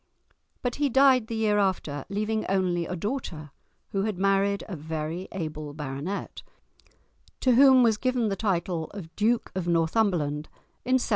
But he died the year after, leaving only a daughter, who had married a very able baronet, to whom was given the title of Duke of Northumberland in 1766.